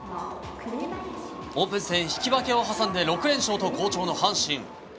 オープン戦、引き分けを挟んで６連勝と好調の阪神。